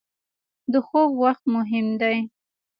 • د خوب وخت مهم دی.